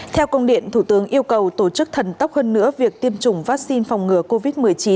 theo công điện thủ tướng yêu cầu tổ chức thần tốc hơn nữa việc tiêm chủng vaccine phòng ngừa covid một mươi chín